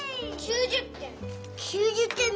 ９０てん。